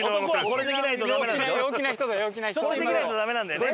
これできないとダメなんだよね。